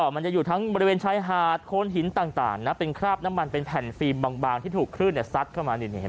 มันจะอยู่ทั้งบริเวณชายหาดโคนหินต่างนะเป็นคราบน้ำมันเป็นแผ่นฟิล์มบางที่ถูกคลื่นซัดเข้ามา